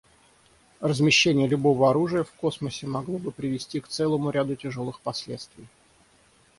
Размещение любого оружия в космосе могло бы привести к целому ряду тяжелых последствий.